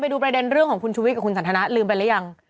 ดูประเด็นเรื่องของคุณชุวิตกับคุณสันทนาลืมไปหรือยัง